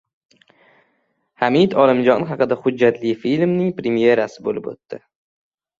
Hamid Olimjon haqida hujjatli filmning premyerasi bo‘lib o‘tdi